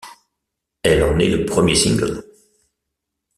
Elle en est le premier single.